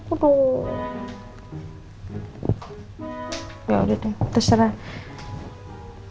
tidur tusuk sebelah kanan nanti saya ngadep tusuk belakang